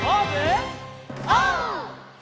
オー！